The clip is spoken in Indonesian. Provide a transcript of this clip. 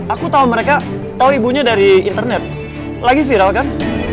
aku tahu mereka tahu ibunya dari internet lagi viral kan